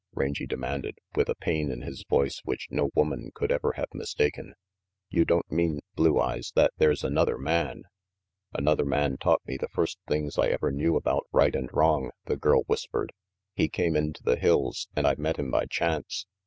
Rangy demanded, with a pain in his voice which no woman could ever have mis taken. "You don't mean, Blue Eyes, that there's another man "Another man taught mejthe first things I ever knew about right and wrong," the girl whispered "He came into the hills, and I met him by chance.